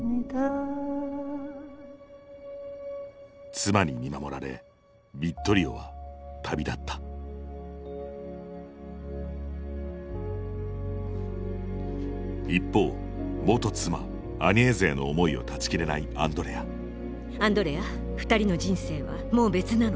妻に見守られヴィットリオは旅立った一方元妻アニェーゼへの思いを断ち切れないアンドレアアンドレアふたりの人生はもう別なの。